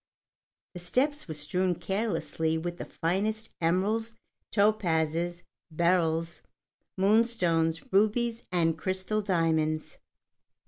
The steps were strewn carelessly with the finest emeralds, topazes, beryls, moonstones, rubies, and crystal diamonds.